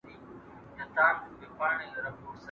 ¬ بر ئې سته، برکت ئې نسته.